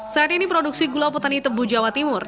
saat ini produksi gula petani tebu jawa timur